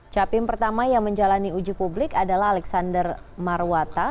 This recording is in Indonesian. capim pertama yang menjalani uji publik adalah alexander marwata